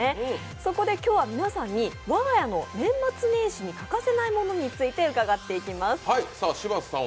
そこで今日は皆さんに我が家の年末年始に欠かせないものについて伺っていきます。